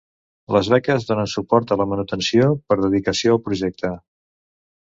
Les beques donen suport a la manutenció per dedicació al projecte.